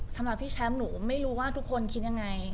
สำหรับพี่แชมป์หนูไม่รู้ว่าทุกคนคิดยังไง